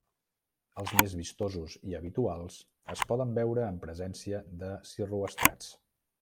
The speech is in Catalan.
Els més vistosos i habituals es poden veure en presència de cirroestrats.